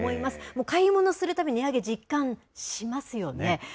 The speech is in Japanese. もう買い物するたびに値上げ、実感しますよね。